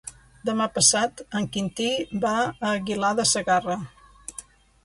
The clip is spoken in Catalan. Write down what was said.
Demà passat en Quintí va a Aguilar de Segarra.